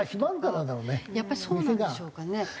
やっぱりそうなんでしょうかね？